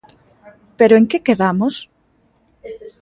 ¿Pero en que quedamos?